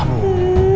bapak ada bu